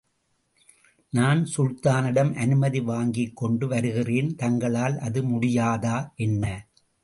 நான், சுல்தானிடம் அனுமதி வாங்கிக் கொண்டு வருகிறேன். தங்களால் அது முடியாதா என்ன?